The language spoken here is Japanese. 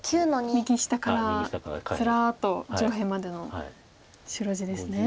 右下からつらっと上辺までの白地ですね。